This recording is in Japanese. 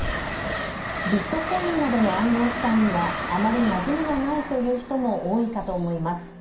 ビットコインなどの暗号資産にはあまりなじみがないという人も多いかと思います。